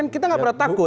kita gak pernah takut